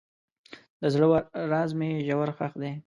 د زړه راز مې ژور ښخ دی.